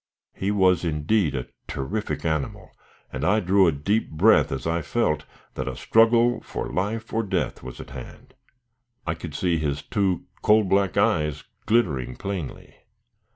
He was, indeed, a terrific animal, and I drew a deep breath as I felt that a struggle for life or death was at hand. [Illustration: "I could see his two coal black eyes glittering plainly."